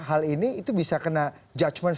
hal ini itu bisa kena judgement